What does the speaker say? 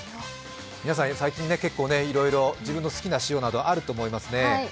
皆さん最近、結構いろいろ自分の好きな塩があると思います。